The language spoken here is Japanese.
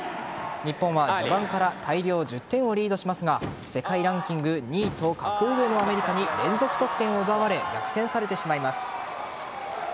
日本は序盤から大量１０点をリードしますが世界ランキング２位と格上のアメリカに連続得点を奪われ逆転されてしまいます。